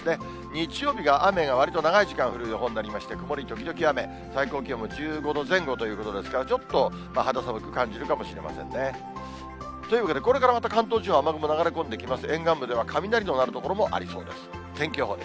日曜日が雨がわりと長い時間降る予報となりまして、曇り時々雨、最高気温も１５度前後ということですから、ちょっと肌寒く感じるかもしれませんね。というわけで、これからまた関東地方、雨雲流れ込んできます。